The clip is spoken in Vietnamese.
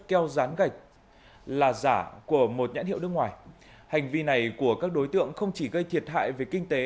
keo rán gạch là giả của một nhãn hiệu nước ngoài hành vi này của các đối tượng không chỉ gây thiệt hại về kinh tế